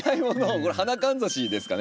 これ花かんざしですかね？